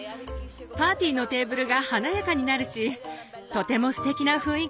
パーティーのテーブルが華やかになるしとてもステキな雰囲気よ！